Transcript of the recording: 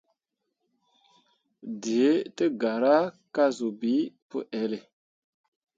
Dǝǝ tǝ gara ka zuu bii pǝ elle.